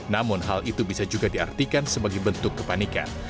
namun hal itu bisa juga diartikan sebagai bentuk kepanikan